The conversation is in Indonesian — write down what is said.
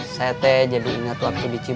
sete jadi ingat waktu dicibuk